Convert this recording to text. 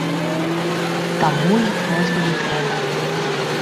Таму й просьбы не трэба.